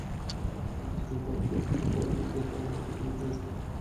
লেজই বল কবিত্বই বল ভিতরে না থাকলে জোর করে টেনে বের করবার জো নেই।